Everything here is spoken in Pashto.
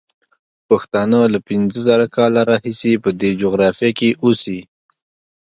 پښتانه له پینځه زره کاله راهیسې په دې جغرافیه کې اوسي.